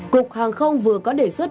cục hàng không vừa có đề xuất